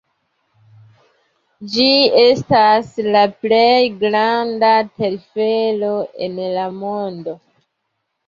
Ĝi estas la plej granda telfero en la mondo.